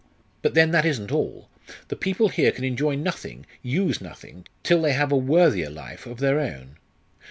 But then that isn't all. The people here can enjoy nothing, use nothing, till they have a worthier life of their own.